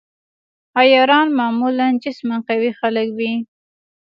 عیاران معمولاً جسماً قوي خلک وي.